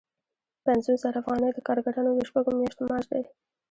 پنځوس زره افغانۍ د کارګرانو د شپږو میاشتو معاش دی